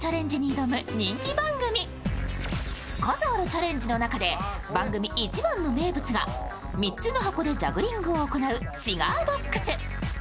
数あるチャレンジの中で番組一番の名物が３つの箱でジャグリングを行うシガーボックス。